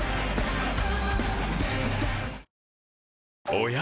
おや？